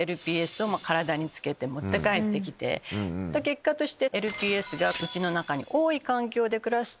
結果として。